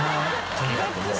とにかくもう。